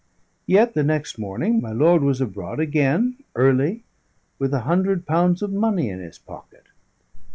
Yet the next morning my lord was abroad again early with a hundred pounds of money in his pocket.